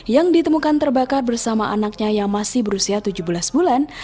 yang ditemukan terbakar bersama anaknya yang masih berusia tujuh belas bulan